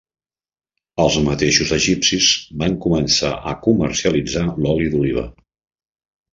Els mateixos egipcis van començar a comercialitzar l'oli d'oliva.